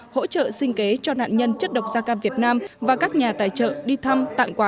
hỗ trợ sinh kế cho nạn nhân chất độc da cam việt nam và các nhà tài trợ đi thăm tặng quà